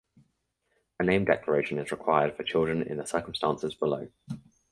A name declaration is required for children in the circumstances below.